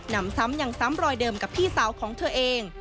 นำซ้ำยังซ้ำรอยเดิมกับพี่สาวของเธอเอง